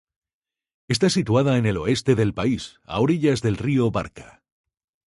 Está situada en el oeste del país, a orillas del río Barka.